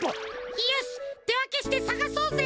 よしってわけしてさがそうぜ。